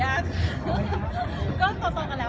แม่กับผู้วิทยาลัย